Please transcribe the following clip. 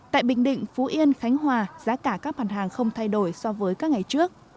tại bình định phú yên khánh hòa giá cả các mặt hàng không thay đổi so với các ngày trước